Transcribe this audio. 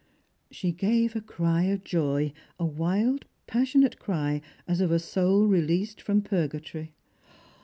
She gave a cry of joy, a wild passionate cry, as of a soul released from purgatory.